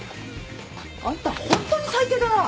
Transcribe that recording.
あんたホントに最低だな！